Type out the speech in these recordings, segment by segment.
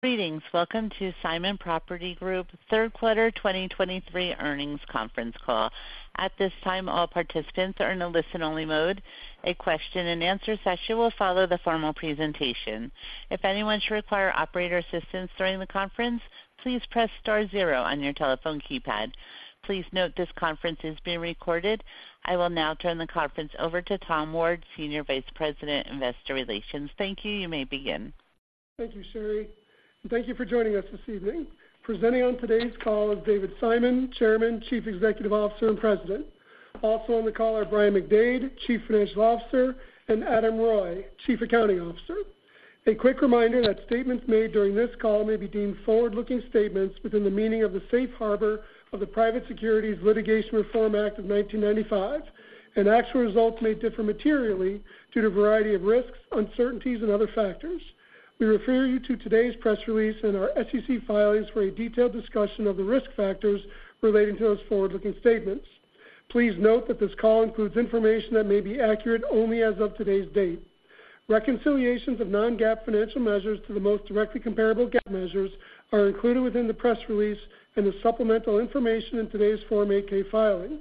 Greetings. Welcome to Simon Property Group Q3 2023 earnings conference call. At this time, all participants are in a listen-only mode. A question-and-answer session will follow the formal presentation. If anyone should require operator assistance during the conference, please press star zero on your telephone keypad. Please note this conference is being recorded. I will now turn the conference over to Tom Ward, Senior Vice President, Investor Relations. Thank you. You may begin. Thank you, Sherry, and thank you for joining us this evening. Presenting on today's call is David Simon, Chairman, Chief Executive Officer, and President. Also on the call are Brian McDade, Chief Financial Officer, and Adam Reuille, Chief Accounting Officer. A quick reminder that statements made during this call may be deemed forward-looking statements within the meaning of the Safe Harbor of the Private Securities Litigation Reform Act of 1995, and actual results may differ materially due to a variety of risks, uncertainties, and other factors. We refer you to today's press release and our SEC filings for a detailed discussion of the risk factors relating to those forward-looking statements. Please note that this call includes information that may be accurate only as of today's date. Reconciliations of non-GAAP financial measures to the most directly comparable GAAP measures are included within the press release and the supplemental information in today's Form 8-K filing.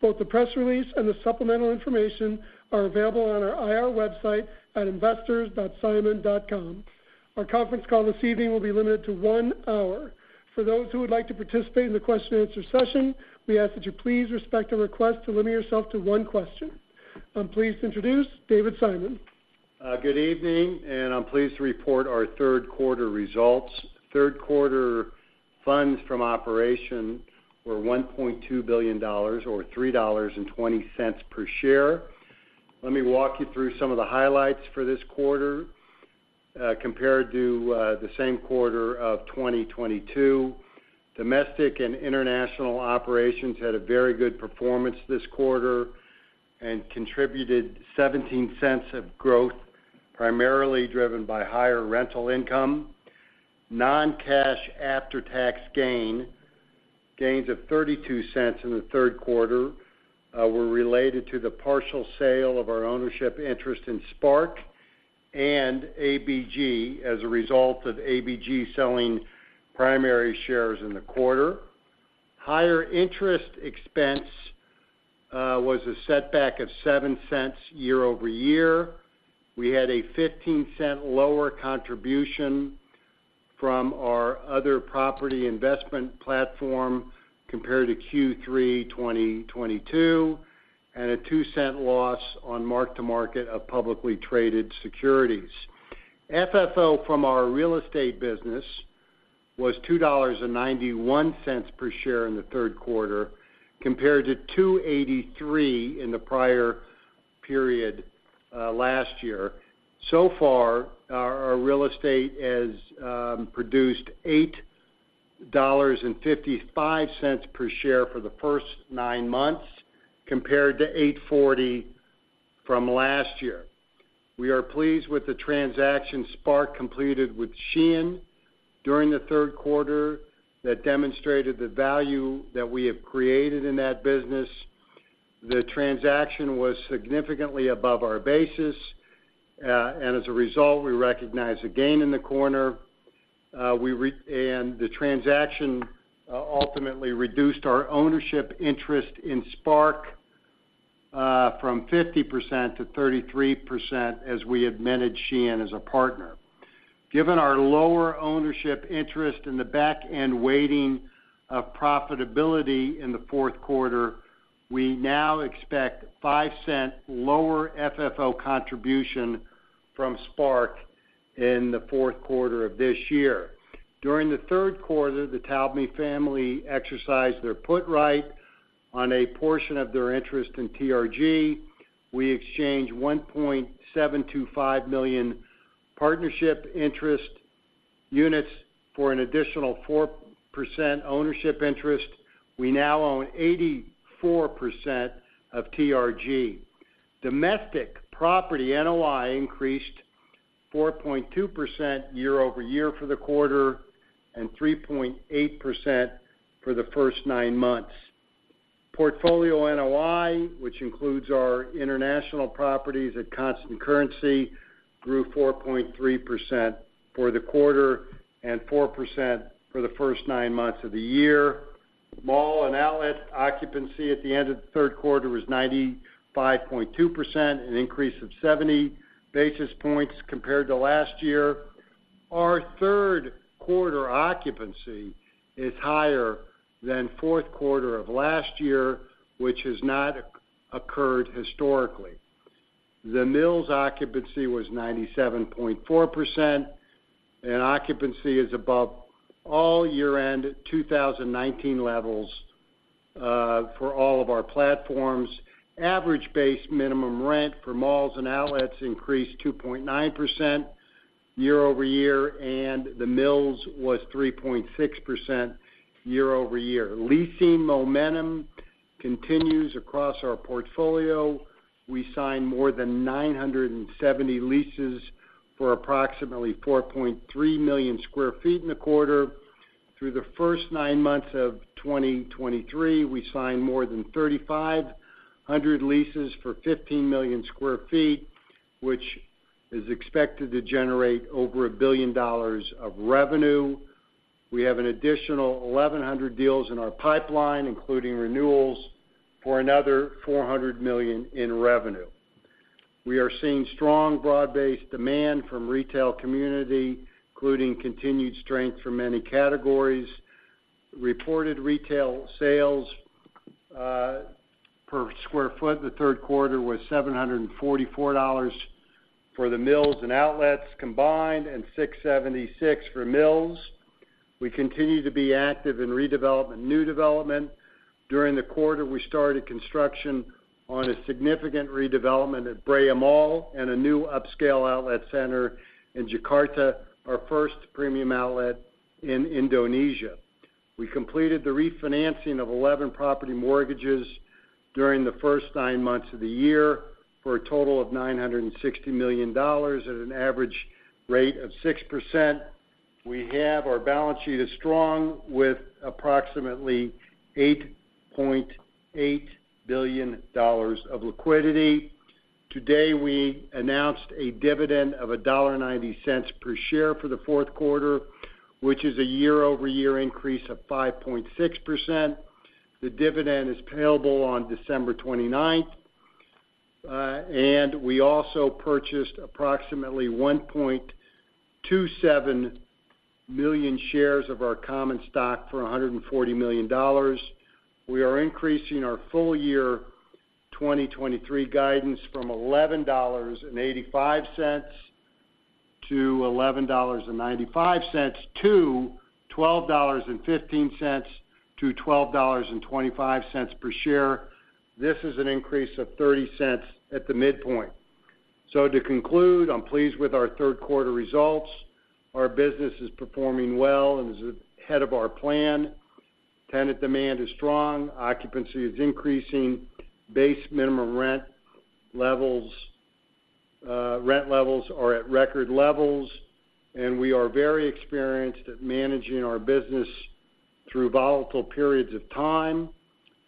Both the press release and the supplemental information are available on our IR website at investors.simon.com. Our conference call this evening will be limited to one hour. For those who would like to participate in the question-and-answer session, we ask that you please respect a request to limit yourself to one question. I'm pleased to introduce David Simon. Good evening, and I'm pleased to report our Q3 results. Q3 funds from operation were $1.2 billion, or $3.20 per share. Let me walk you through some of the highlights for this quarter, compared to the same quarter of 2022. Domestic and international operations had a very good performance this quarter and contributed 17 cents of growth, primarily driven by higher rental income. Non-cash after-tax gains of 32 cents in the Q3 were related to the partial sale of our ownership interest in SPARC and ABG as a result of ABG selling primary shares in the quarter. Higher interest expense was a setback of seven cents year-over-year. We had a $0.15 lower contribution from our other property investment platform compared to Q3 2022, and a $0.02 loss on mark-to-market of publicly traded securities. FFO from our real estate business was $2.91 per share in the Q3, compared to $2.83 in the prior period, last year. So far, our real estate has produced $8.55 per share for the first nine months, compared to $8.40 from last year. We are pleased with the transaction SPARC completed with Shein during the Q3 that demonstrated the value that we have created in that business. The transaction was significantly above our basis, and as a result, we recognized a gain in the quarter, and the transaction ultimately reduced our ownership interest in SPARC, from 50% to 33% as we admitted Shein as a partner. Given our lower ownership interest in the back-end weighting of profitability in the Q4, we now expect $0.05 lower FFO contribution from SPARC in the Q4 of this year. During the Q3, the Taubman family exercised their put right on a portion of their interest in TRG. We exchanged 1.725 million partnership interest units for an additional 4% ownership interest. We now own 84% of TRG. Domestic property NOI increased 4.2% year-over-year for the quarter and 3.8% for the first nine months. Portfolio NOI, which includes our international properties at constant currency, grew 4.3% for the quarter and 4% for the first nine months of the year. Mall and outlet occupancy at the end of the Q3 was 95.2%, an increase of 70 basis points compared to last year. Our Q3 occupancy is higher than Q4 of last year, which has not occurred historically. The Mills occupancy was 97.4%, and occupancy is above all year-end at 2019 levels, for all of our platforms. Average base minimum rent for malls and outlets increased 2.9% year-over-year, and the Mills was 3.6% year-over-year. Leasing momentum continues across our portfolio. We signed more than 970 leases for approximately 4.3 million sq ft in the quarter.... Through the first 9 months of 2023, we signed more than 3,500 leases for 15 million sq ft, which is expected to generate over $1 billion of revenue. We have an additional 1,100 deals in our pipeline, including renewals, for another $400 million in revenue. We are seeing strong broad-based demand from retail community, including continued strength from many categories. Reported retail sales per square foot in the Q3 was $744 for the Mills and outlets combined, and $676 for Mills. We continue to be active in redevelopment, new development. During the quarter, we started construction on a significant redevelopment at Brea Mall and a new upscale outlet center in Jakarta, our first premium outlet in Indonesia. We completed the refinancing of 11 property mortgages during the first nine months of the year for a total of $960 million at an average rate of 6%. We have our balance sheet is strong, with approximately $8.8 billion of liquidity. Today, we announced a dividend of $1.90 per share for the Q4, which is a year-over-year increase of 5.6%. The dividend is payable on December 29th. And we also purchased approximately 1.27 million shares of our common stock for $140 million. We are increasing our full-year 2023 guidance from $11.85-$11.95 to $12.15-$12.25 per share. This is an increase of $0.30 at the midpoint. So to conclude, I'm pleased with our Q3 results. Our business is performing well and is ahead of our plan. Tenant demand is strong, occupancy is increasing, base minimum rent levels, rent levels are at record levels, and we are very experienced at managing our business through volatile periods of time.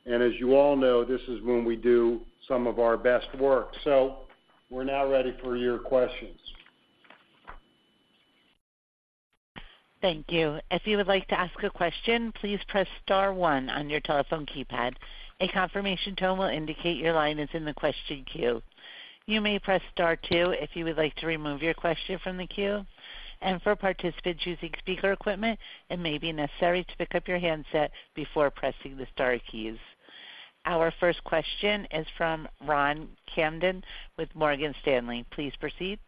And as you all know, this is when we do some of our best work. So we're now ready for your questions. Thank you. If you would like to ask a question, please press star one on your telephone keypad. A confirmation tone will indicate your line is in the question queue. You may press star two if you would like to remove your question from the queue, and for participants using speaker equipment, it may be necessary to pick up your handset before pressing the star keys. Our first question is from Ronald Kamdem with Morgan Stanley. Please proceed.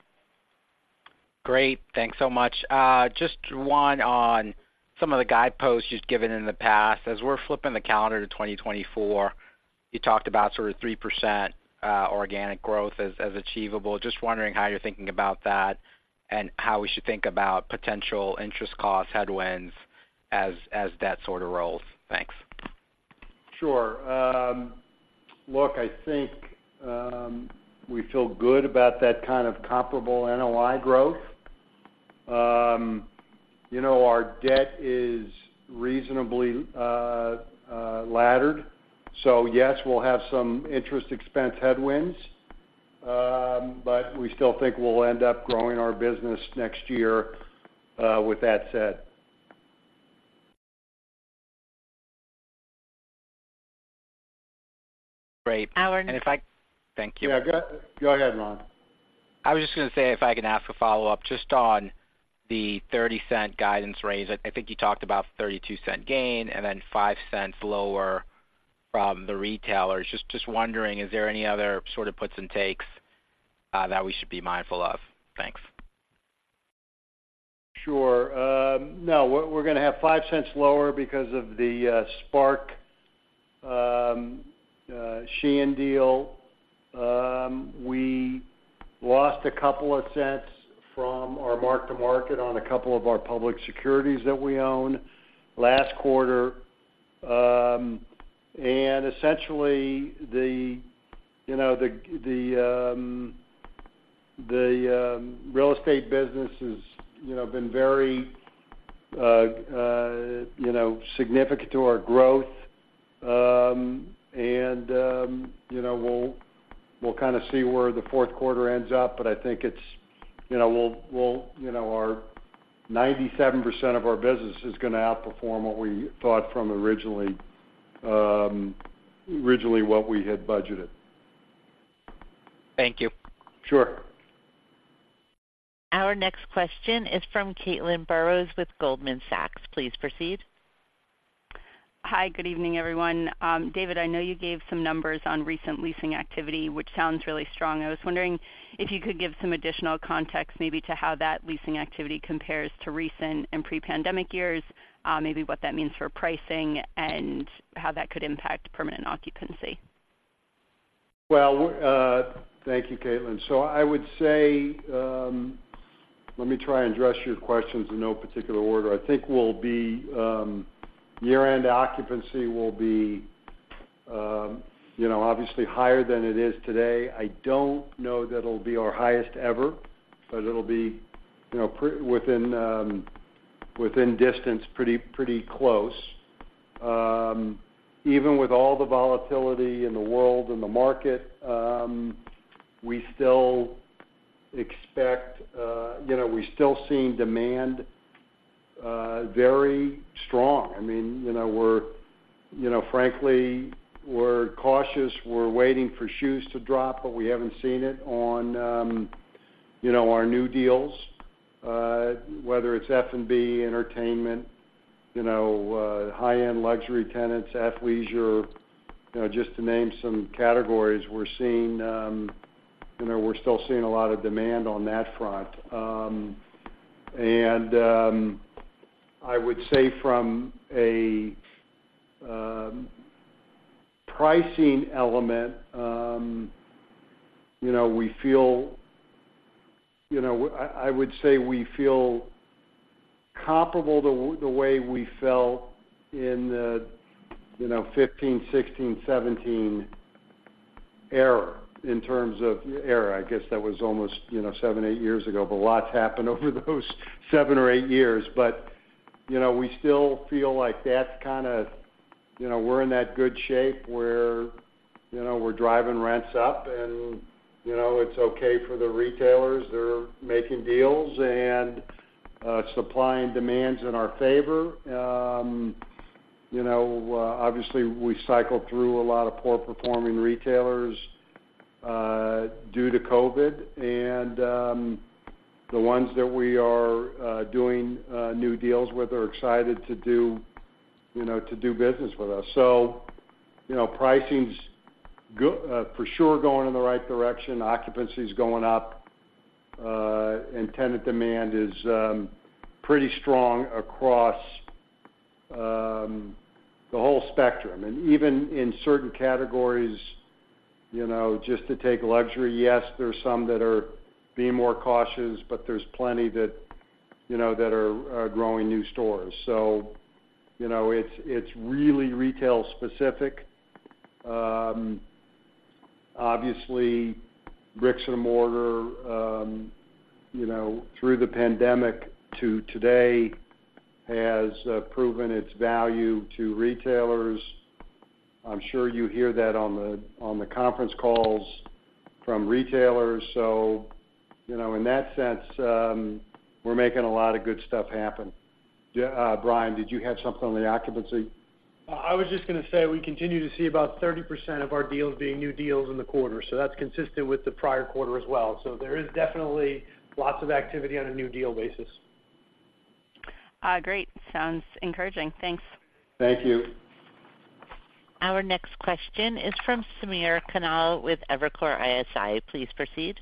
Great. Thanks so much. Just one on some of the guideposts you've given in the past. As we're flipping the calendar to 2024, you talked about sort of 3%, organic growth as achievable. Just wondering how you're thinking about that and how we should think about potential interest costs, headwinds as that sort of rolls. Thanks. Sure. Look, I think we feel good about that kind of comparable NOI growth. You know, our debt is reasonably laddered. So yes, we'll have some interest expense headwinds, but we still think we'll end up growing our business next year, with that said. Great. Our- Thank you. Yeah. Go, go ahead, Ron. I was just going to say, if I can ask a follow-up, just on the $0.30 guidance raise. I think you talked about $0.32 gain and then $0.05 lower from the retailers. Just wondering, is there any other sort of puts and takes that we should be mindful of? Thanks. Sure. No, we're going to have $0.05 lower because of the SPARC Shein deal. We lost a couple of cents from our mark to market on a couple of our public securities that we own last quarter. And essentially, the, you know, the real estate business has, you know, been very significant to our growth. And, you know, we'll kind of see where the Q4 ends up, but I think it's, you know, we'll-- you know, our 97% of our business is going to outperform what we thought from originally, originally what we had budgeted. Thank you. Sure. Our next question is from Caitlin Burrows with Goldman Sachs. Please proceed. Hi, good evening, everyone. David, I know you gave some numbers on recent leasing activity, which sounds really strong. I was wondering if you could give some additional context, maybe to how that leasing activity compares to recent and pre-pandemic years, maybe what that means for pricing and how that could impact permanent occupancy? Well, thank you, Caitlin. So I would say, let me try and address your questions in no particular order. I think we'll be, year-end occupancy will be. You know, obviously higher than it is today. I don't know that it'll be our highest ever, but it'll be, you know, pretty within distance, pretty close. Even with all the volatility in the world and the market, we still expect, you know, we're still seeing demand, very strong. I mean, you know, we're, you know, frankly, we're cautious, we're waiting for shoes to drop, but we haven't seen it on, you know, our new deals, whether it's F&B, entertainment, you know, high-end luxury tenants, athleisure, you know, just to name some categories. We're seeing, you know, we're still seeing a lot of demand on that front. And, I would say from a pricing element, you know, we feel, you know... I would say we feel comparable to the way we felt in the, you know, 2015, 2016, 2017 era, in terms of era. I guess that was almost, you know, 7, 8 years ago, but lots happened over those 7 or 8 years. But, you know, we still feel like that's kind of, you know, we're in that good shape where, you know, we're driving rents up and, you know, it's okay for the retailers. They're making deals, and supply and demand's in our favor. You know, obviously, we cycled through a lot of poor performing retailers due to COVID, and the ones that we are doing new deals with are excited to do, you know, to do business with us. So, you know, pricing's going for sure in the right direction, occupancy is going up, and tenant demand is pretty strong across the whole spectrum. And even in certain categories, you know, just to take luxury, yes, there are some that are being more cautious, but there's plenty that, you know, that are growing new stores. So, you know, it's really retail specific. Obviously, bricks and mortar, you know, through the pandemic to today, has proven its value to retailers. I'm sure you hear that on the conference calls from retailers. So, you know, in that sense, we're making a lot of good stuff happen. Brian, did you have something on the occupancy? I was just gonna say, we continue to see about 30% of our deals being new deals in the quarter, so that's consistent with the prior quarter as well. So there is definitely lots of activity on a new deal basis. Great. Sounds encouraging. Thanks. Thank you. Our next question is from Samir Khanal with Evercore ISI. Please proceed.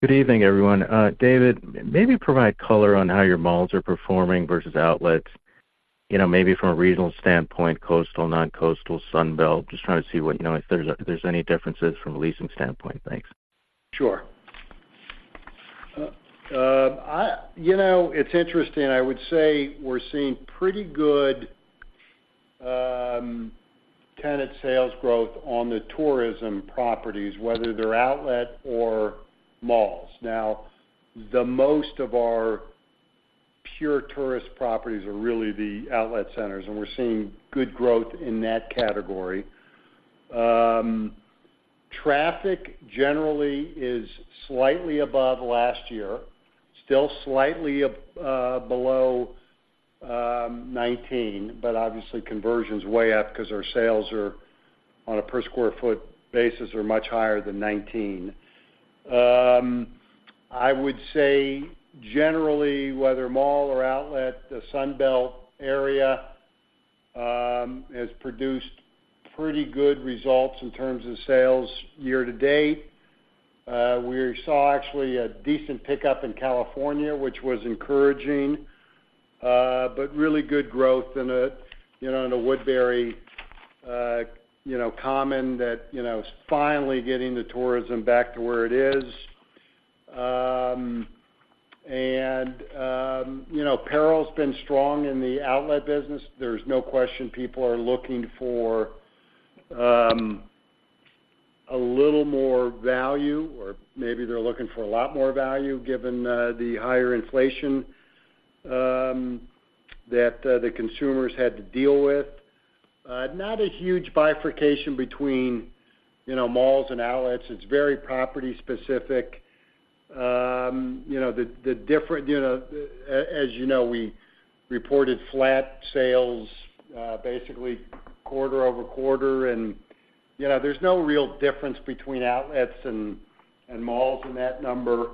Good evening, everyone. David, maybe provide color on how your malls are performing versus outlets, you know, maybe from a regional standpoint, coastal, non-coastal, Sun Belt. Just trying to see what, you know, if there's any differences from a leasing standpoint. Thanks. Sure. You know, it's interesting. I would say we're seeing pretty good tenant sales growth on the tourism properties, whether they're outlet or malls. Now, the most of our pure tourist properties are really the outlet centers, and we're seeing good growth in that category. Traffic generally is slightly above last year, still slightly below 2019, but obviously, conversion's way up because our sales are on a per square foot basis, are much higher than 2019. I would say generally, whether mall or outlet, the Sun Belt area has produced pretty good results in terms of sales year to date. We saw actually a decent pickup in California, which was encouraging, but really good growth in, you know, in the Woodbury Common that, you know, is finally getting the tourism back to where it is. And, you know, apparel's been strong in the outlet business. There's no question people are looking for a little more value, or maybe they're looking for a lot more value, given the higher inflation that the consumers had to deal with. Not a huge bifurcation between, you know, malls and outlets. It's very property specific. As you know, we reported flat sales basically quarter-over-quarter, and, you know, there's no real difference between outlets and malls in that number.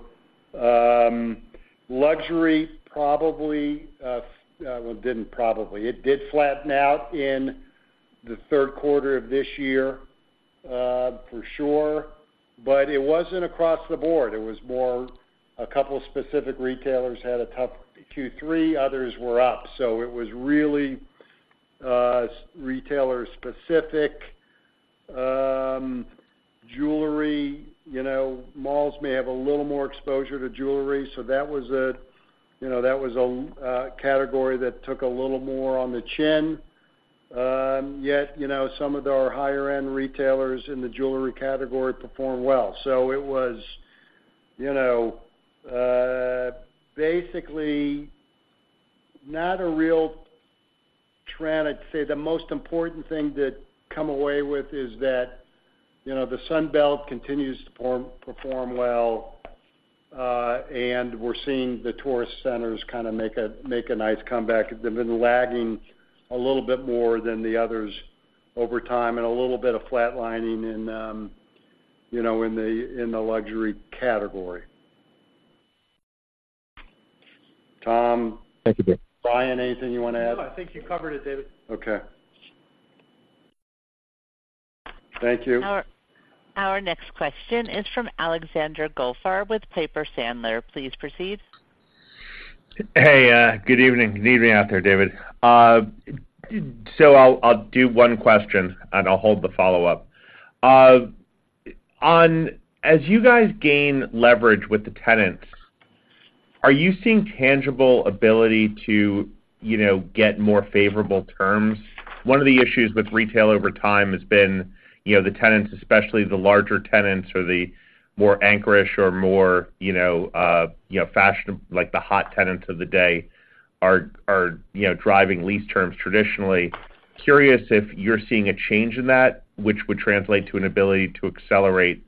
Luxury, probably, well, it did flatten out in the Q3 of this year, for sure, but it wasn't across the board. It was more a couple specific retailers had a tough Q3, others were up. So it was really, retailer specific. Jewelry, you know, malls may have a little more exposure to jewelry, so that was a, you know, that was a category that took a little more on the chin. Yet, you know, some of our higher-end retailers in the jewelry category performed well. So it was, you know, basically, not a real trend. I'd say the most important thing to come away with is that, you know, the Sun Belt continues to perform well, and we're seeing the tourist centers kind of make a nice comeback. They've been lagging a little bit more than the others over time, and a little bit of flatlining in, you know, in the luxury category. Tom? Thank you, David. Brian, anything you want to add? No, I think you covered it, David. Okay. Thank you. Our next question is from Alexander Goldfarb with Piper Sandler. Please proceed. Hey, good evening. Good evening out there, David. So I'll do one question, and I'll hold the follow-up. On... As you guys gain leverage with the tenants, are you seeing tangible ability to, you know, get more favorable terms? One of the issues with retail over time has been, you know, the tenants, especially the larger tenants or the more anchorish or more, you know, fashion, like the hot tenants of the day, are, you know, driving lease terms traditionally. Curious if you're seeing a change in that, which would translate to an ability to accelerate,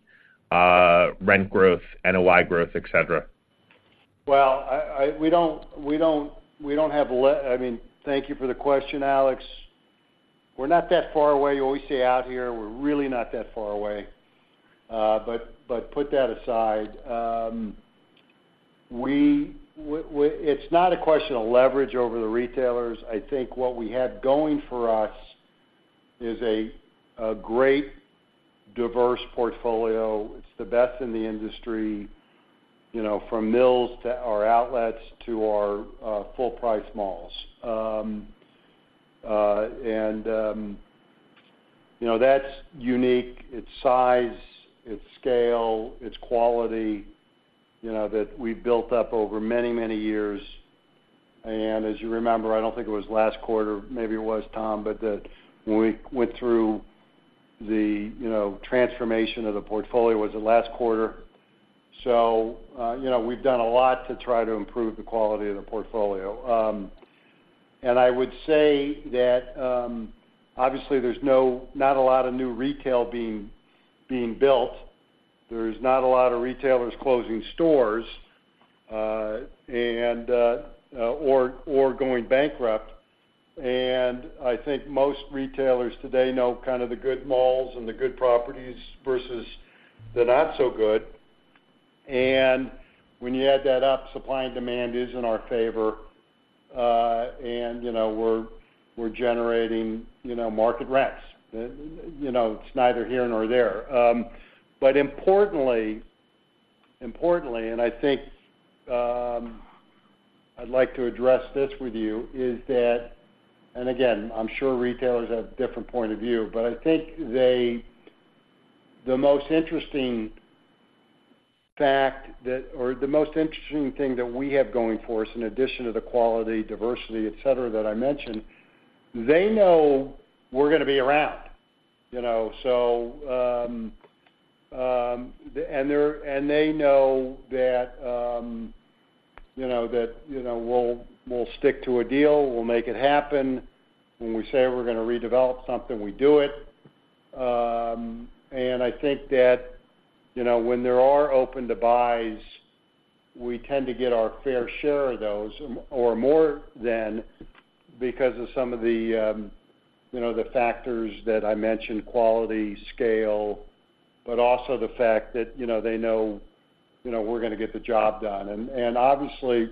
rent growth, NOI growth, et cetera. Well, we don't have. I mean, thank you for the question, Alex. We're not that far away. We always say out here, we're really not that far away. But put that aside. It's not a question of leverage over the retailers. I think what we have going for us is a great, diverse portfolio. It's the best in the industry, you know, from Mills to our outlets to our full-price malls. And you know, that's unique. Its size, its scale, its quality, you know, that we've built up over many, many years. And as you remember, I don't think it was last quarter, maybe it was, Tom, but when we went through the, you know, transformation of the portfolio, was it last quarter? So, you know, we've done a lot to try to improve the quality of the portfolio. And I would say that, obviously, there's not a lot of new retail being built. There's not a lot of retailers closing stores, and or going bankrupt. And I think most retailers today know kind of the good malls and the good properties versus the not so good. And when you add that up, supply and demand is in our favor, and, you know, we're generating, you know, market rents. You know, it's neither here nor there. But importantly, and I think, I'd like to address this with you, is that... And again, I'm sure retailers have a different point of view, but I think the most interesting fact that, or the most interesting thing that we have going for us, in addition to the quality, diversity, et cetera, that I mentioned, they know we're gonna be around, you know? So, and they know that, you know, that, you know, we'll stick to a deal, we'll make it happen. When we say we're gonna redevelop something, we do it. And I think that, you know, when there are Open to Buys, we tend to get our fair share of those or more than, because of some of the, you know, the factors that I mentioned, quality, scale, but also the fact that, you know, they know, you know, we're gonna get the job done. And obviously,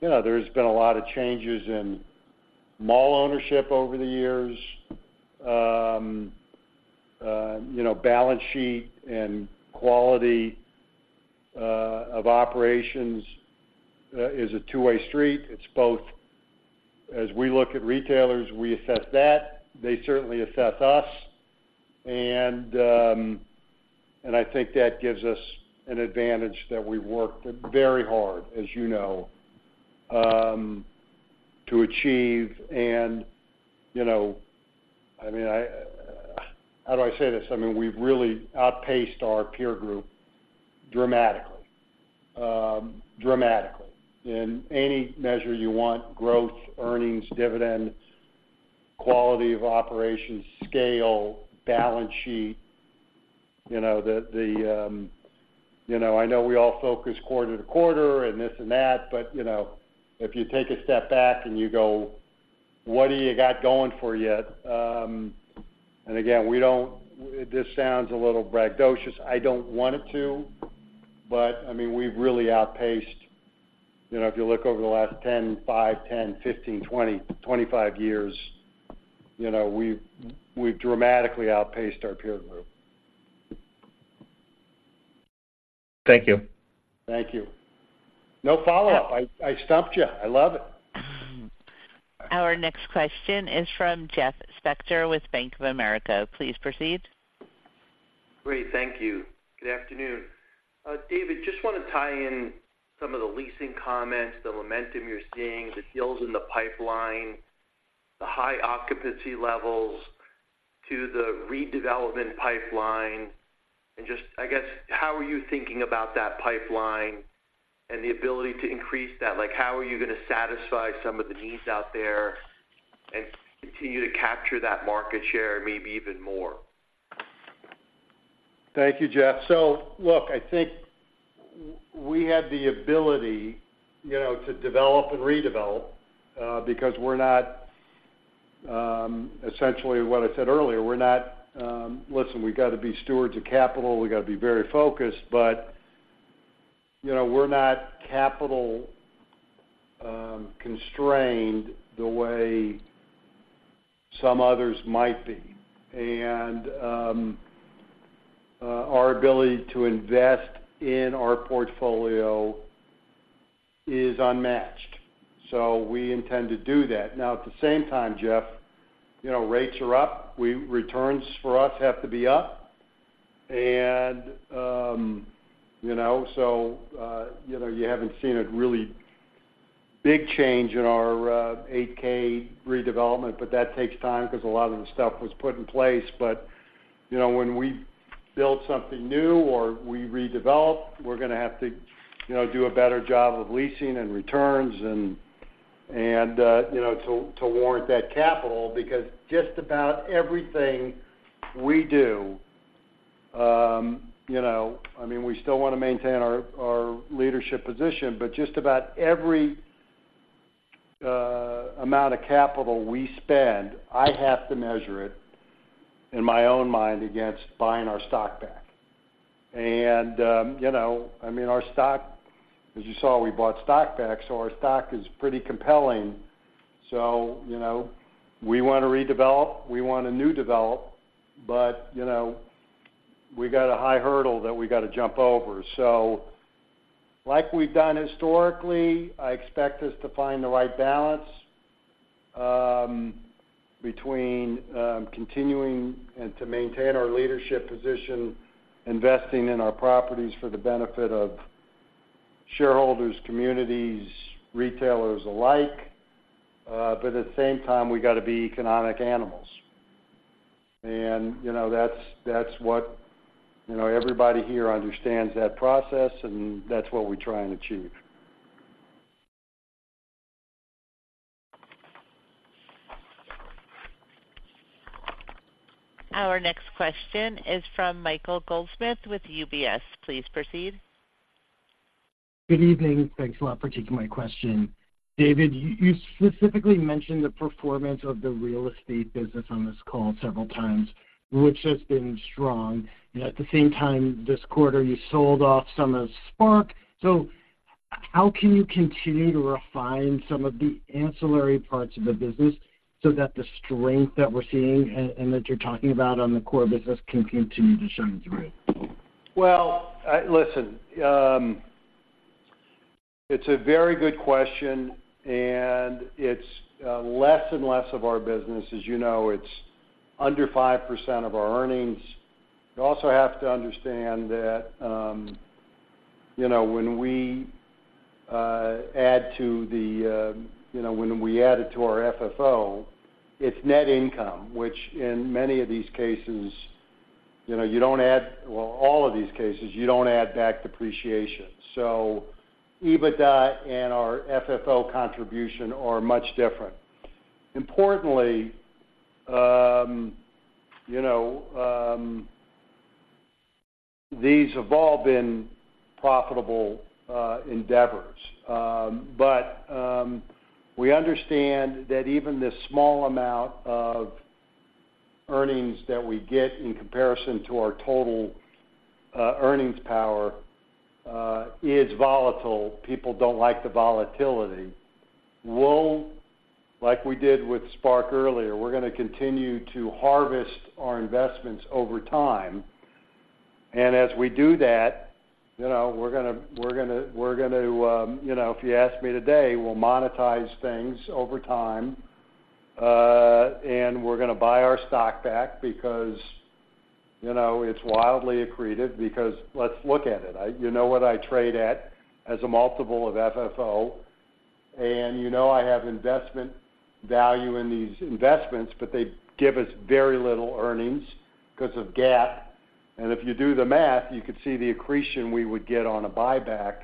you know, there's been a lot of changes in mall ownership over the years. You know, balance sheet and quality of operations is a two-way street. It's both... As we look at retailers, we assess that, they certainly assess us, and I think that gives us an advantage that we worked very hard, as you know, to achieve. And, you know, I mean, I... How do I say this? I mean, we've really outpaced our peer group dramatically, dramatically, in any measure you want: growth, earnings, dividends, quality of operations, scale, balance sheet. You know, I know we all focus quarter-to-quarter and this and that, but, you know, if you take a step back and you go, "What do you got going for you?" And again, we don't, this sounds a little braggadocious. I don't want it to, but I mean, we've really outpaced... You know, if you look over the last 10, 5, 10, 15, 20, 25 years, you know, we've, we've dramatically outpaced our peer group.... Thank you. Thank you. No follow-up. I stumped you. I love it. Our next question is from Jeff Spector with Bank of America. Please proceed. Great. Thank you. Good afternoon. David, just want to tie in some of the leasing comments, the momentum you're seeing, the deals in the pipeline, the high occupancy levels to the redevelopment pipeline, and just, I guess, how are you thinking about that pipeline and the ability to increase that? Like, how are you going to satisfy some of the needs out there and continue to capture that market share, maybe even more? Thank you, Jeff. So look, I think we have the ability, you know, to develop and redevelop, because we're not, essentially, what I said earlier, we're not... Listen, we've got to be stewards of capital. We've got to be very focused, but, you know, we're not capital constrained the way some others might be. And, our ability to invest in our portfolio is unmatched, so we intend to do that. Now, at the same time, Jeff, you know, rates are up. Returns for us have to be up. And, you know, so, you know, you haven't seen a really big change in our 8-K redevelopment, but that takes time 'cause a lot of the stuff was put in place. But you know, when we build something new or we redevelop, we're gonna have to, you know, do a better job of leasing and returns and to warrant that capital, because just about everything we do, you know, I mean, we still wanna maintain our leadership position, but just about every amount of capital we spend, I have to measure it in my own mind against buying our stock back. You know, I mean, our stock, as you saw, we bought stock back, so our stock is pretty compelling. You know, we want to redevelop, we want to new develop, but, you know, we got a high hurdle that we got to jump over. So like we've done historically, I expect us to find the right balance between continuing and to maintain our leadership position, investing in our properties for the benefit of shareholders, communities, retailers alike. But at the same time, we got to be economic animals. And, you know, that's, that's what, you know, everybody here understands that process, and that's what we try and achieve. Our next question is from Michael Goldsmith with UBS. Please proceed. Good evening. Thanks a lot for taking my question. David, you specifically mentioned the performance of the real estate business on this call several times, which has been strong. At the same time, this quarter, you sold off some of SPARC. So how can you continue to refine some of the ancillary parts of the business so that the strength that we're seeing and that you're talking about on the core business, can continue to shine through? Well, listen, it's a very good question, and it's less and less of our business. As you know, it's under 5% of our earnings. You also have to understand that, you know, when we add it to our FFO, it's net income, which in many of these cases, you know, you don't add—well, all of these cases, you don't add back depreciation. So EBITDA and our FFO contribution are much different. Importantly, you know, these have all been profitable endeavors. But we understand that even the small amount of earnings that we get in comparison to our total earnings power is volatile. People don't like the volatility. Well, like we did with SPARC earlier, we're gonna continue to harvest our investments over time, and as we do that, you know, we're gonna, you know, if you ask me today, we'll monetize things over time. And we're gonna buy our stock back because, you know, it's wildly accreted. Because let's look at it. You know what I trade at as a multiple of FFO, and you know I have investment value in these investments, but they give us very little earnings 'cause of GAAP. And if you do the math, you could see the accretion we would get on a buyback.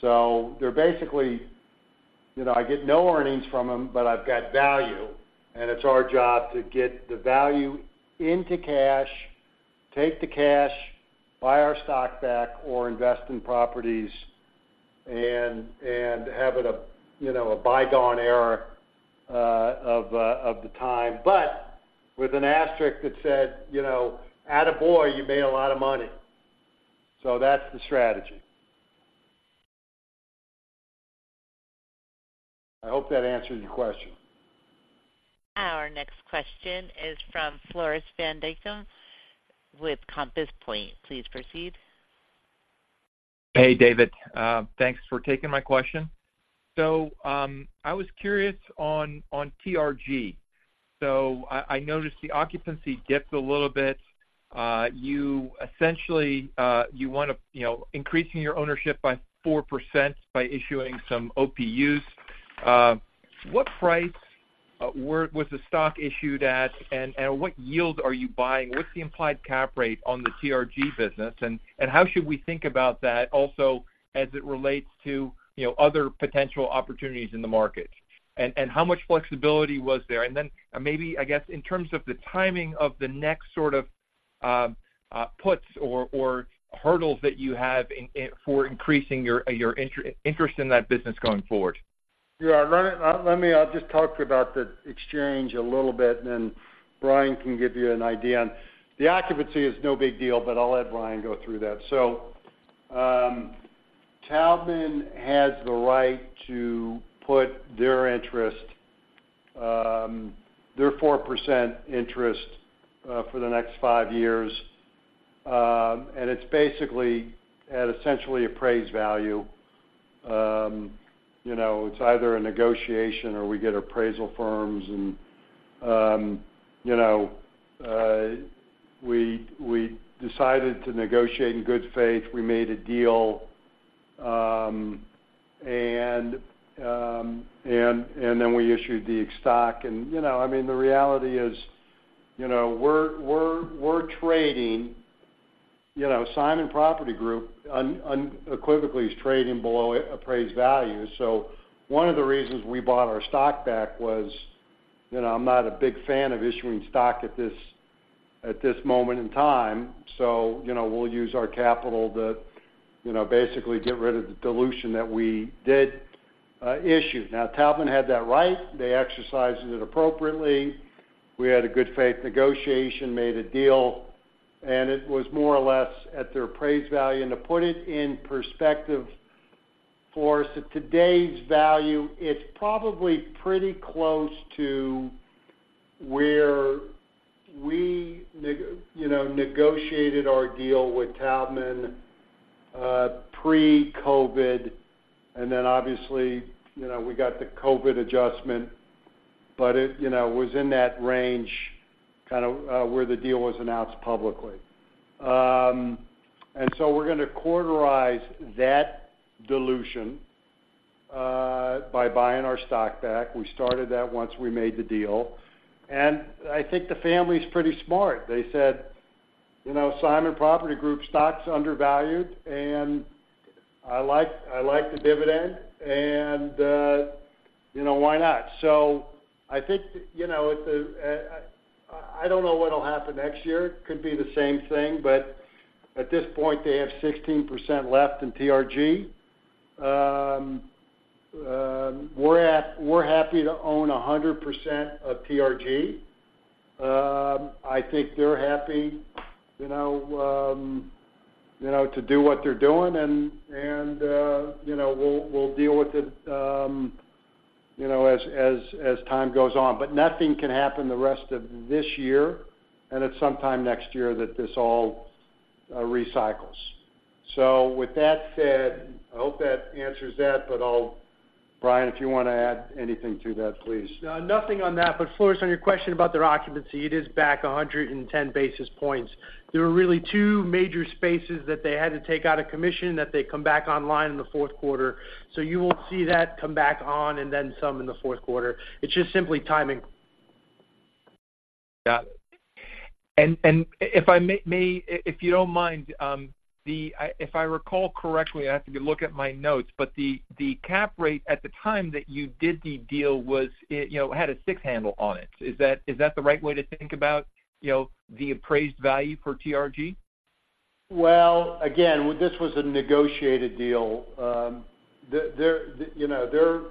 So they're basically, you know, I get no earnings from them, but I've got value, and it's our job to get the value into cash, take the cash, buy our stock back, or invest in properties and, and have it a, you know, a bygone era of the time. But with an asterisk that said, you know, attaboy, you made a lot of money. So that's the strategy. I hope that answers your question. Our next question is from Floris van Dijkum with Compass Point. Please proceed. Hey, David. Thanks for taking my question. So, I was curious on TRG. So I noticed the occupancy dipped a little bit. You essentially want to, you know, increasing your ownership by 4% by issuing some OPUs. What price was the stock issued at, and what yield are you buying? What's the implied cap rate on the TRG business, and how should we think about that also as it relates to, you know, other potential opportunities in the market? And how much flexibility was there? And then maybe, I guess, in terms of the timing of the next sort of puts or hurdles that you have in for increasing your interest in that business going forward. Yeah. Let me, I'll just talk to you about the exchange a little bit, and then Brian can give you an idea. The occupancy is no big deal, but I'll let Brian go through that. So, Taubman has the right to put their interest, their 4% interest, for the next five years. And it's basically at essentially appraised value. You know, it's either a negotiation or we get appraisal firms and, you know, we decided to negotiate in good faith. We made a deal, and then we issued the stock. And, you know, I mean, the reality is, you know, we're trading, you know, Simon Property Group, unequivocally, is trading below appraised value. So one of the reasons we bought our stock back was, you know, I'm not a big fan of issuing stock at this moment in time, so, you know, we'll use our capital to, you know, basically get rid of the dilution that we did issue. Now, Taubman had that right. They exercised it appropriately. We had a good faith negotiation, made a deal, and it was more or less at their appraised value. To put it in perspective for us, at today's value, it's probably pretty close to where we negotiated our deal with Taubman pre-COVID, and then obviously, you know, we got the COVID adjustment, but it was in that range, kind of, where the deal was announced publicly. So we're gonna neutralize that dilution by buying our stock back. We started that once we made the deal. And I think the family's pretty smart. They said, "You know, Simon Property Group stock's undervalued, and I like, I like the dividend, and you know, why not?" So I think, you know, it... I don't know what'll happen next year. Could be the same thing, but at this point, they have 16% left in TRG. We're happy to own 100% of TRG. I think they're happy, you know, you know, to do what they're doing, and you know, we'll deal with it, you know, as time goes on. But nothing can happen the rest of this year, and it's sometime next year that this all recycles. So with that said, I hope that answers that, but I'll... Brian, if you want to add anything to that, please. Nothing on that. But Floris, on your question about their occupancy, it is back 110 basis points. There were really two major spaces that they had to take out of commission, that they come back online in the Q4. So you will see that come back on and then some in the Q4. It's just simply timing. Got it. And if I may, if you don't mind, if I recall correctly, I have to look at my notes, but the cap rate at the time that you did the deal was, you know, had a six handle on it. Is that the right way to think about, you know, the appraised value for TRG? Well, again, this was a negotiated deal. You know,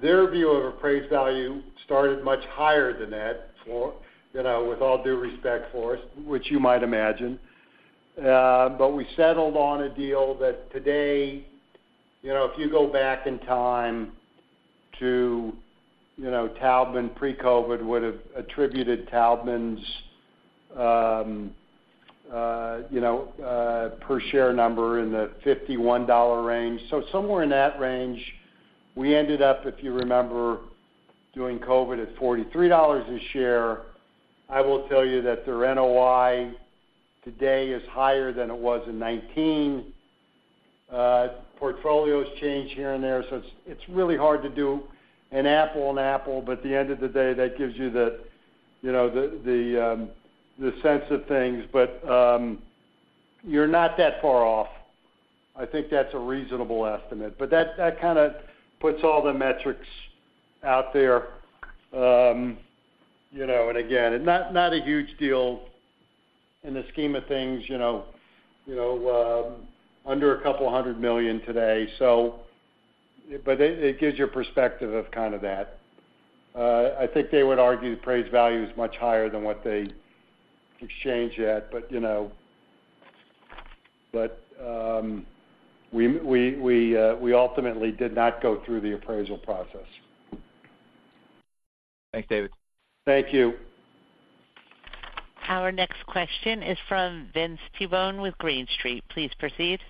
their view of appraised value started much higher than that for, you know, with all due respect, Floris, which you might imagine. But we settled on a deal that today, you know, if you go back in time to, you know, Taubman pre-COVID, would've attributed Taubman's per share number in the $51 range. So somewhere in that range. We ended up, if you remember, during COVID, at $43 a share. I will tell you that their NOI today is higher than it was in 2019. Portfolio's changed here and there, so it's really hard to do an apples-to-apples, but at the end of the day, that gives you the, you know, the sense of things. But you're not that far off. I think that's a reasonable estimate. But that kind of puts all the metrics out there. You know, and again, not a huge deal in the scheme of things, you know, under $200 million today. So. But it gives you a perspective of kind of that. I think they would argue the appraised value is much higher than what they exchanged at, but, you know. But, we ultimately did not go through the appraisal process. Thanks, David. Thank you. Our next question is from Vince Tibone with Green Street. Please proceed.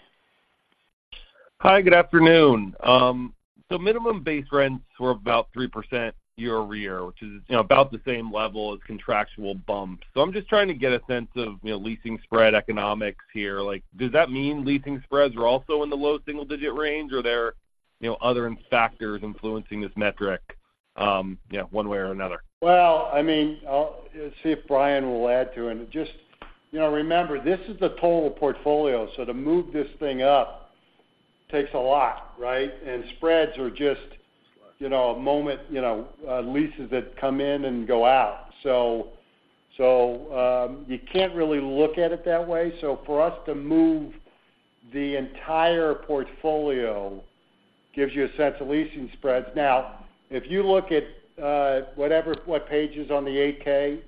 Hi, good afternoon. So minimum base rents were about 3% year-over-year, which is, you know, about the same level as contractual bumps. So I'm just trying to get a sense of, you know, leasing spread economics here. Like, does that mean leasing spreads are also in the low single-digit range, or there are, you know, other factors influencing this metric, you know, one way or another? Well, I mean, I'll see if Brian will add to it. Just, you know, remember, this is the total portfolio, so to move this thing up takes a lot, right? And spreads are just- Spreads... you know, a moment, you know, leases that come in and go out. So, you can't really look at it that way. So for us to move the entire portfolio gives you a sense of leasing spreads. Now, if you look at whatever—what page is on the 8-K,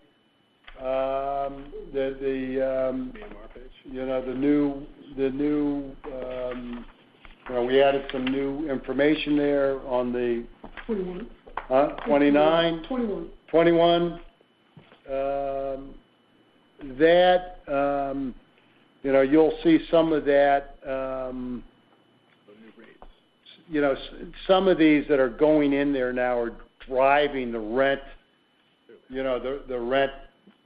the, AMR page. You know, the new, well, we added some new information there on the- 21. Huh? 29? 21. 21. That, you know, you'll see some of that. The new rates. You know, some of these that are going in there now are driving the rent. You know, the rent,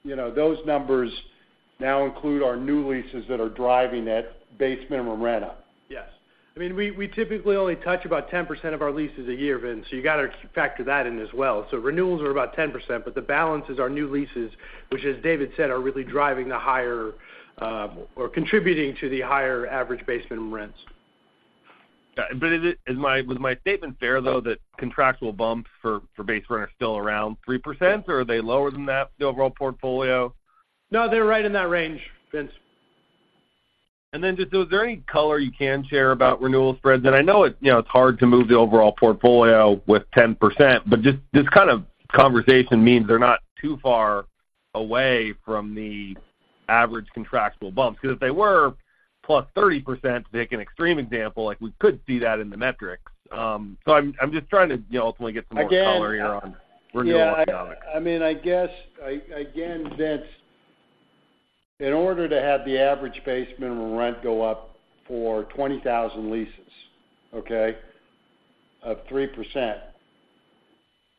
you know, those numbers now include our new leases that are driving that base minimum rent up. Yes. I mean, we, we typically only touch about 10% of our leases a year, Vince, so you got to factor that in as well. So renewals are about 10%, but the balance is our new leases, which, as David said, are really driving the higher, or contributing to the higher average base minimum rents. Got it. But was my statement fair, though, that contractual bumps for base rent are still around 3%, or are they lower than that, the overall portfolio? No, they're right in that range, Vince. Then just, so is there any color you can share about renewal spreads? I know it, you know, it's hard to move the overall portfolio with 10%, but just, this kind of conversation means they're not too far away from the average contractual bumps. Because if they were, +30%, to take an extreme example, like, we could see that in the metrics. So I'm just trying to, you know, ultimately get some more- Again- Color here on renewal economics. Yeah, I mean, I guess, again, Vince, in order to have the average base minimum rent go up for 20,000 leases, okay, of 3%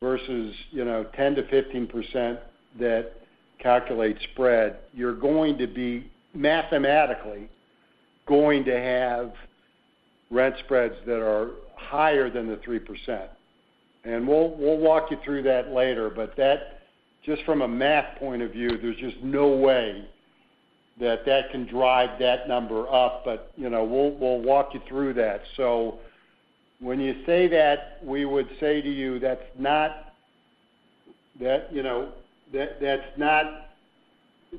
versus, you know, 10%-15% that calculate spread, you're going to be mathematically going to have rent spreads that are higher than the 3%. And we'll walk you through that later, but that, just from a math point of view, there's just no way that that can drive that number up. But, you know, we'll walk you through that. So when you say that, we would say to you, that's not... That, you know, that, that's not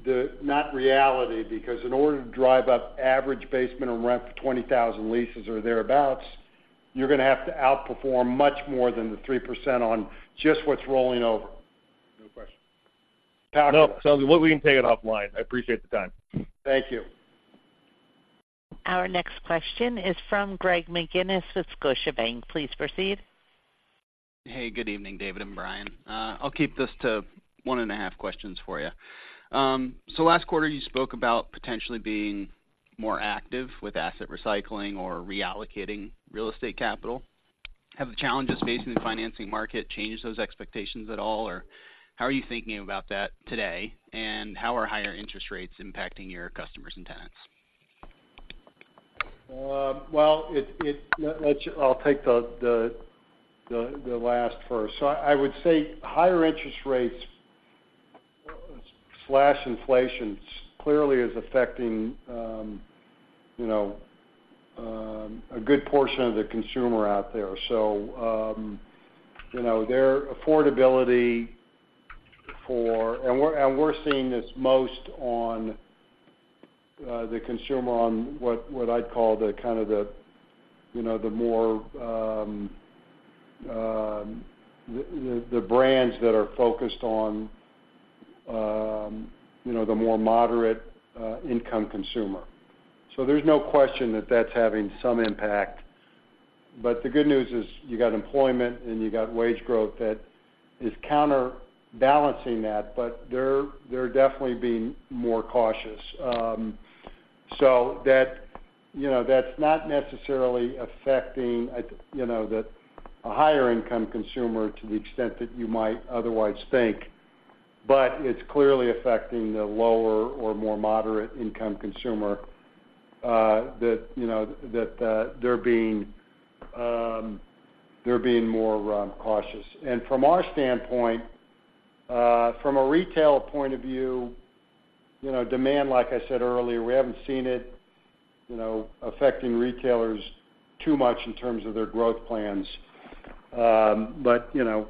the, not reality, because in order to drive up average base minimum rent for 20,000 leases or thereabouts, you're gonna have to outperform much more than the 3% on just what's rolling over. No question. Got it. Nope. Sounds we can take it offline. I appreciate the time. Thank you. Our next question is from Greg McGinniss with Scotiabank. Please proceed. Hey, good evening, David and Brian. I'll keep this to one and a half questions for you. So last quarter, you spoke about potentially being more active with asset recycling or reallocating real estate capital. Have the challenges facing the financing market changed those expectations at all, or how are you thinking about that today? And how are higher interest rates impacting your customers and tenants? Well, let's... I'll take the last first. So I would say higher interest rates slash inflation clearly is affecting, you know, a good portion of the consumer out there. So, you know, their affordability for... And we're seeing this most on the consumer, on what I'd call the kind of the, you know, the more the brands that are focused on, you know, the more moderate income consumer. So there's no question that that's having some impact. But the good news is, you got employment, and you got wage growth that is counterbalancing that, but they're definitely being more cautious. So that, you know, that's not necessarily affecting, you know, the, a higher income consumer to the extent that you might otherwise think, but it's clearly affecting the lower or more moderate income consumer, that, you know, that, they're being, they're being more cautious. And from our standpoint, from a retail point of view, you know, demand, like I said earlier, we haven't seen it, you know, affecting retailers too much in terms of their growth plans. But, you know,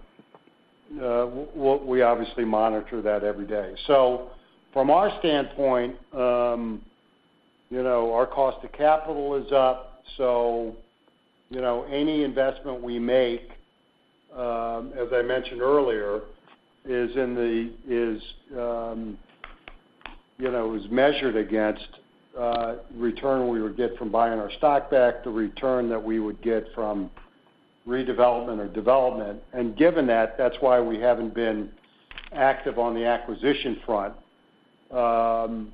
we, we obviously monitor that every day. So from our standpoint, you know, our cost of capital is up, so, you know, any investment we make, as I mentioned earlier, is in the, is, you know, is measured against, return we would get from buying our stock back, the return that we would get from redevelopment or development. Given that, that's why we haven't been active on the acquisition front. I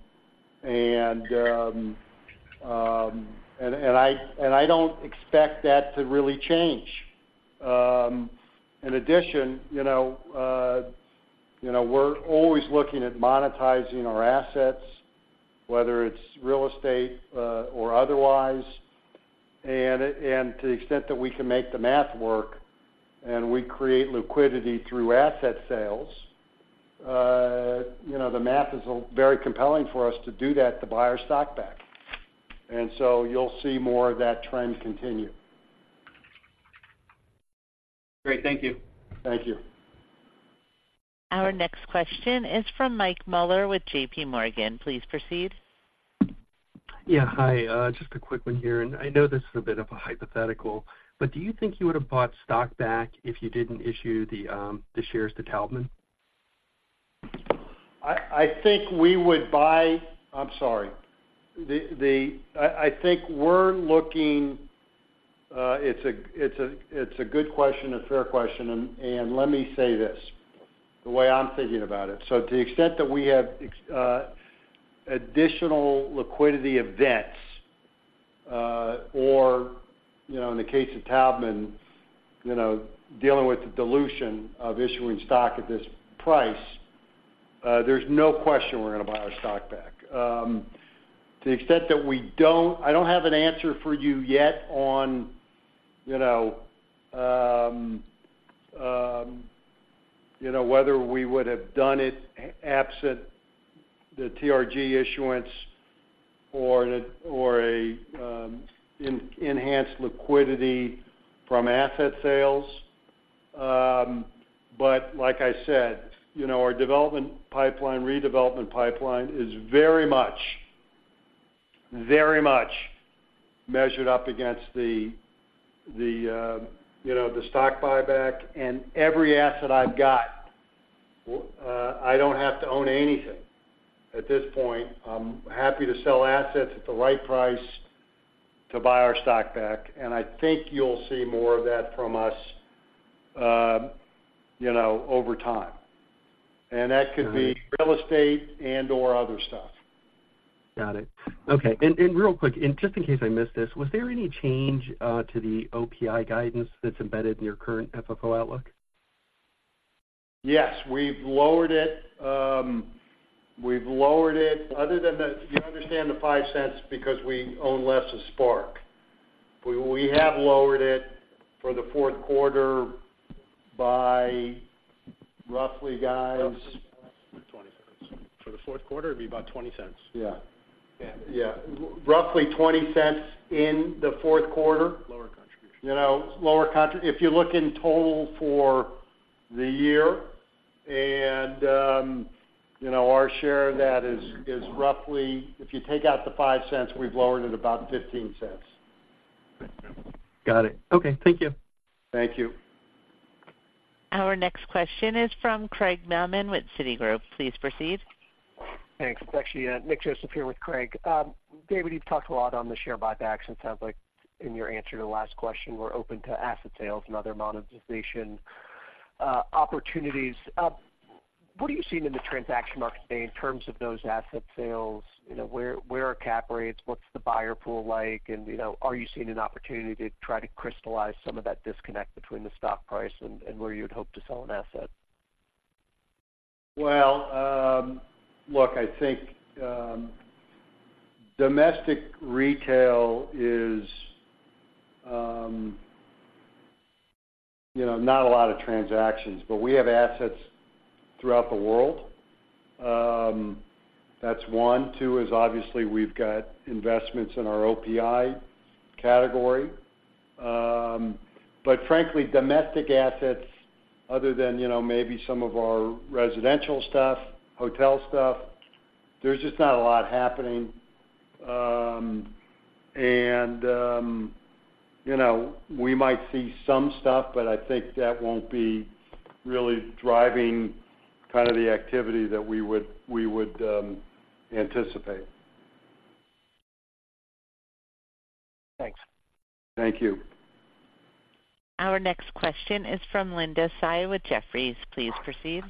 don't expect that to really change. In addition, you know, you know, we're always looking at monetizing our assets, whether it's real estate or otherwise. To the extent that we can make the math work, and we create liquidity through asset sales, you know, the math is very compelling for us to do that, to buy our stock back. So you'll see more of that trend continue. Great. Thank you. Thank you. Our next question is from Mike Mueller with JP Morgan. Please proceed. Yeah. Hi, just a quick one here, and I know this is a bit of a hypothetical, but do you think you would have bought stock back if you didn't issue the shares to Taubman? I think we're looking, it's a good question, a fair question, and let me say this, the way I'm thinking about it. So to the extent that we have additional liquidity events, or, you know, in the case of Taubman, you know, dealing with the dilution of issuing stock at this price, there's no question we're gonna buy our stock back. To the extent that we don't, I don't have an answer for you yet on, you know, whether we would have done it absent the TRG issuance or the enhanced liquidity from asset sales. But like I said, you know, our development pipeline, redevelopment pipeline is very much, very much measured up against the stock buyback. And every asset I've got, I don't have to own anything. At this point, I'm happy to sell assets at the right price to buy our stock back, and I think you'll see more of that from us, you know, over time. All right. That could be real estate and or other stuff. Got it. Okay. And real quick, just in case I missed this, was there any change to the OPI guidance that's embedded in your current FFO outlook? Yes, we've lowered it. We've lowered it other than the—you understand the $0.05 because we own less of SPARC. We have lowered it for the Q4 by roughly $0.20. For the Q4, it'd be about $0.20. Yeah. Yeah. Yeah. Roughly $0.20 in the Q4. Lower contribution. You know, lower contribution if you look in total for the year, and you know, our share of that is roughly, if you take out the $0.05, we've lowered it about $0.15. Got it. Okay, thank you. Thank you. Our next question is from Craig Mailman with Citigroup. Please proceed. Thanks. It's actually, Nick Joseph here with Craig. David, you've talked a lot on the share buybacks, and it sounds like in your answer to the last question, we're open to asset sales and other monetization opportunities. What are you seeing in the transaction market today in terms of those asset sales? You know, where, where are cap rates? What's the buyer pool like? And, you know, are you seeing an opportunity to try to crystallize some of that disconnect between the stock price and, and where you'd hope to sell an asset? Well, look, I think, domestic retail is, you know, not a lot of transactions, but we have assets throughout the world. That's one. Two, is obviously, we've got investments in our OPI category. But frankly, domestic assets, other than, you know, maybe some of our residential stuff, hotel stuff, there's just not a lot happening. And, you know, we might see some stuff, but I think that won't be really driving kind of the activity that we would, we would, anticipate. Thanks. Thank you. Our next question is from Linda Tsai with Jefferies. Please proceed.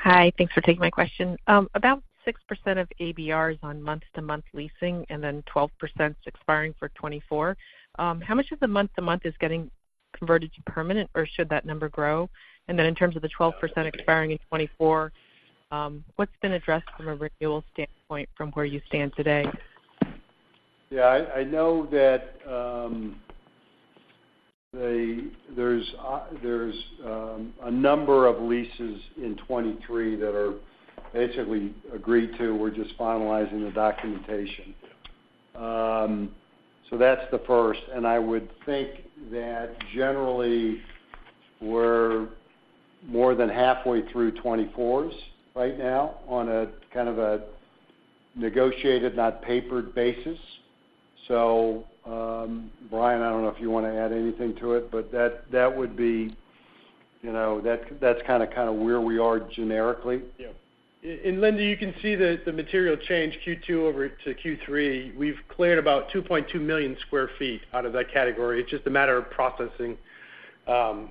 Hi, thanks for taking my question. About 6% of ABR is on month-to-month leasing, and then 12% is expiring for 2024. How much of the month to month is getting converted to permanent, or should that number grow? And then in terms of the 12% expiring in 2024, what's been addressed from a renewal standpoint from where you stand today? Yeah, I know that there's a number of leases in 2023 that are basically agreed to. We're just finalizing the documentation. So that's the first. And I would think that generally, we're more than halfway through 2024s right now on a kind of a negotiated, not papered basis. So, Brian, I don't know if you wanna add anything to it, but that would be, you know, that's kinda where we are generically. Yeah. And Linda, you can see the material change Q2 over to Q3. We've cleared about 2.2 million sq ft out of that category. It's just a matter of processing.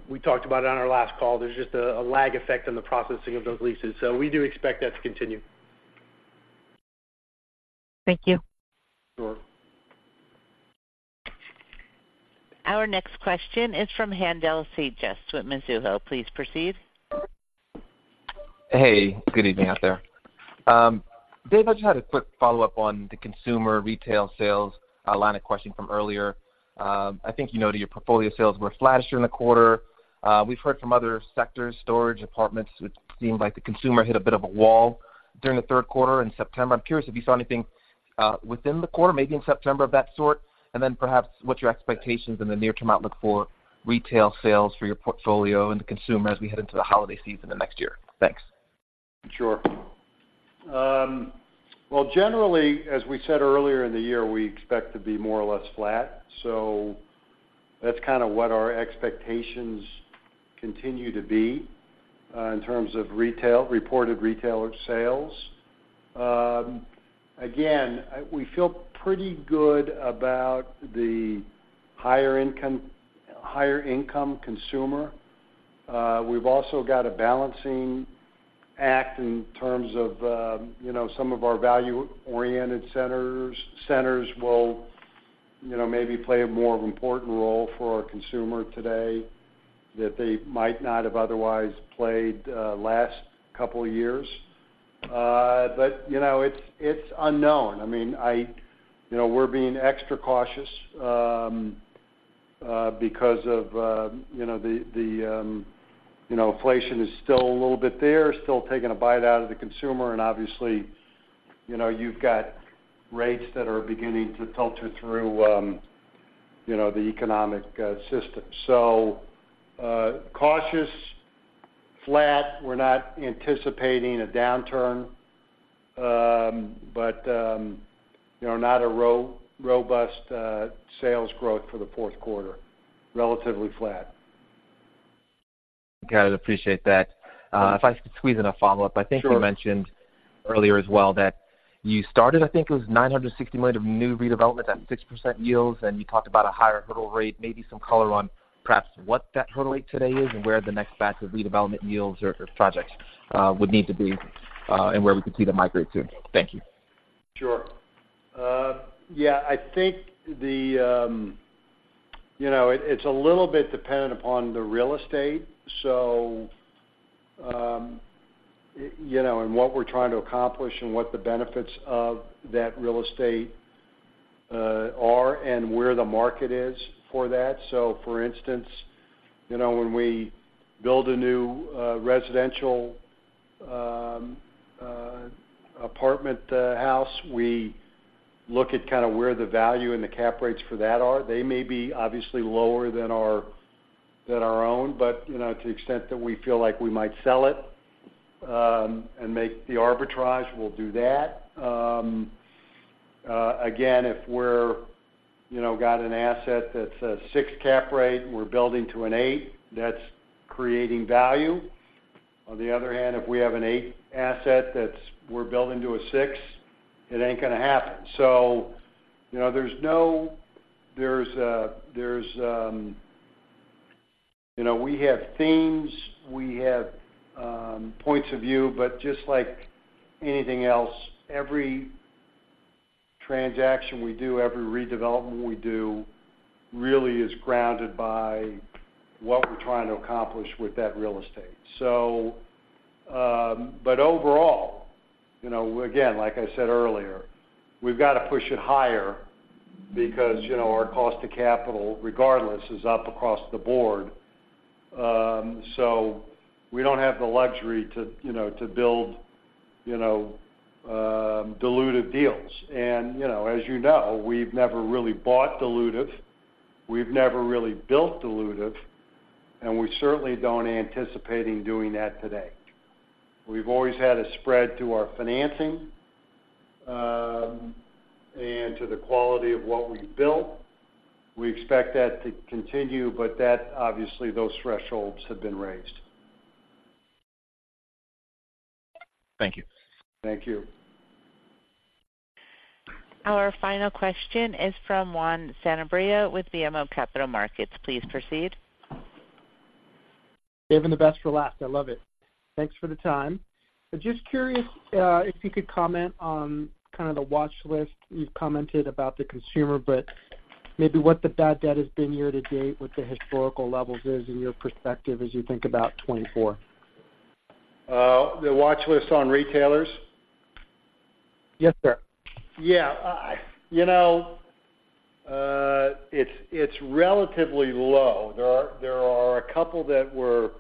We talked about it on our last call. There's just a lag effect on the processing of those leases, so we do expect that to continue. Thank you. Sure. Our next question is from Haendel St. Juste with Mizuho. Please proceed. Hey, good evening out there. Dave, I just had a quick follow-up on the consumer retail sales line of questioning from earlier. I think you know that your portfolio sales were flattish during the quarter. We've heard from other sectors, storage, apartments, it seemed like the consumer hit a bit of a wall during the Q3 in September. I'm curious if you saw anything within the quarter, maybe in September of that sort, and then perhaps, what's your expectations in the near-term outlook for retail sales for your portfolio and the consumer as we head into the holiday season and next year? Thanks. Sure. Well, generally, as we said earlier in the year, we expect to be more or less flat, so that's kinda what our expectations continue to be in terms of retail-reported retailer sales. Again, we feel pretty good about the higher income, higher income consumer. We've also got a balancing act in terms of you know, some of our value-oriented centers. Centers will, you know, maybe play a more important role for our consumer today, that they might not have otherwise played last couple of years. But, you know, it's, it's unknown. I mean, I... You know, we're being extra cautious because of you know, the, the, you know, inflation is still a little bit there, still taking a bite out of the consumer. Obviously, you know, you've got rates that are beginning to filter through, you know, the economic system. So, cautious, flat, we're not anticipating a downturn, but, you know, not a robust sales growth for the Q4, relatively flat. Got it. Appreciate that. If I could squeeze in a follow-up. Sure. I think you mentioned earlier as well, that you started, I think it was $960 million of new redevelopment at 6% yields, and you talked about a higher hurdle rate, maybe some color on perhaps what that hurdle rate today is, and where the next batch of redevelopment yields or, or projects, would need to be, and where we could see them migrate to? Thank you. Sure. Yeah, I think the, you know, it, it's a little bit dependent upon the real estate. So, you know, and what we're trying to accomplish and what the benefits of that real estate are and where the market is for that. So for instance, you know, when we build a new residential apartment house, we look at kinda where the value and the cap rates for that are. They may be obviously lower than our own, but, you know, to the extent that we feel like we might sell it and make the arbitrage, we'll do that. Again, if we're, you know, got an asset that's a six cap rate, we're building to an eight, that's creating value. On the other hand, if we have an eight asset that we're building to a six, it ain't gonna happen. So, you know, there's no. You know, we have themes, we have points of view, but just like anything else, every transaction we do, every redevelopment we do, really is grounded by what we're trying to accomplish with that real estate. So, but overall, you know, again, like I said earlier, we've got to push it higher because, you know, our cost of capital, regardless, is up across the board. So we don't have the luxury to, you know, to build, you know, dilutive deals. And, you know, as you know, we've never really bought dilutive, we've never really built dilutive, and we certainly don't anticipating doing that today. We've always had a spread to our financing, and to the quality of what we've built. We expect that to continue, but that, obviously, those thresholds have been raised. Thank you. Thank you. Our final question is from Juan Sanabria with BMO Capital Markets. Please proceed. Saving the best for last. I love it. Thanks for the time. Just curious, if you could comment on kind of the watch list. You've commented about the consumer, but maybe what the bad debt has been year to date, what the historical levels is in your perspective, as you think about 2024? The watch list on retailers? Yes, sir. Yeah. You know, it's relatively low. There are a couple that were,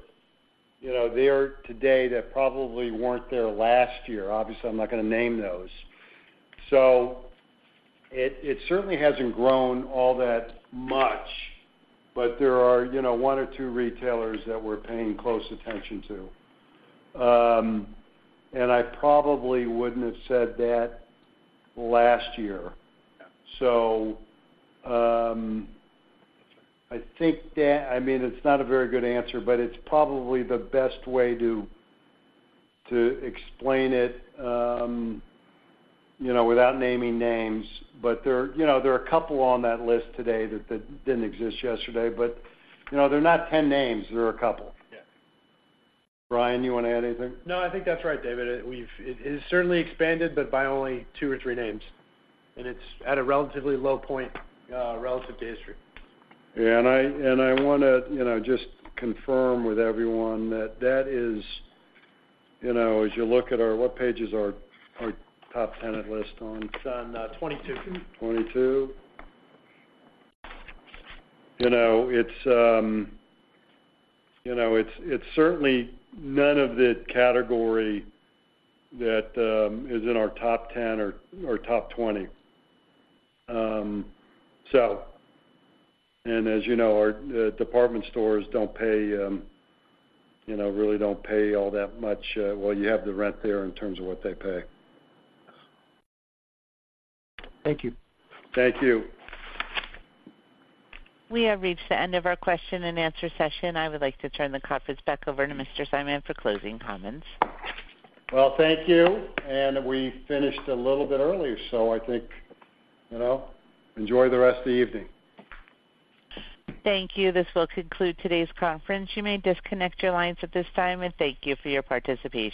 you know, there today that probably weren't there last year. Obviously, I'm not gonna name those. So it certainly hasn't grown all that much, but there are, you know, one or two retailers that we're paying close attention to. And I probably wouldn't have said that last year. So, I think that. I mean, it's not a very good answer, but it's probably the best way to explain it, you know, without naming names. But there are, you know, a couple on that list today that didn't exist yesterday. But, you know, they're not 10 names. There are a couple. Yeah. Brian, you wanna add anything? No, I think that's right, David. It has certainly expanded, but by only two or three names, and it's at a relatively low point, relative to history. Yeah, and I wanna, you know, just confirm with everyone that is, you know, as you look at our... What page is our top tenant list on? It's on 22. 22. You know, it's, you know, it's, it's certainly none of the category that is in our top 10 or, or top 20. So, and as you know, our department stores don't pay, you know, really don't pay all that much. Well, you have the rent there in terms of what they pay. Thank you. Thank you. We have reached the end of our question-and-answer session. I would like to turn the conference back over to Mr. Simon for closing comments. Well, thank you. We finished a little bit earlier, so I think, you know, enjoy the rest of the evening. Thank you. This will conclude today's conference. You may disconnect your lines at this time, and thank you for your participation.